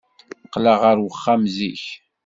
Qqleɣ ɣer uxxam zik.